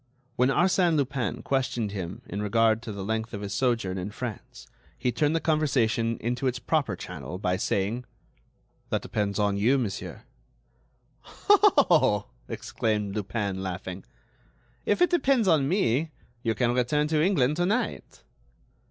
When Arsène Lupin questioned him in regard to the length of his sojourn in France he turned the conversation into its proper channel by saying: "That depends on you, monsieur." "Oh!" exclaimed Lupin, laughing, "if it depends on me you can return to England to night."